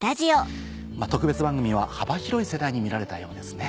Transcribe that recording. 特別番組は幅広い世代に見られたようですね。